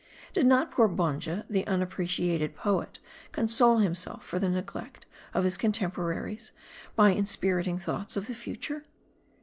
"Did not poor Bonja, the unappreciated poet, console himself for the neglect of his contemporaries, by inspiriting thoughts of the future